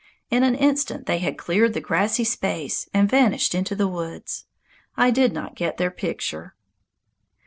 In an instant they had cleared the grassy space and vanished into the woods. I did not get their picture.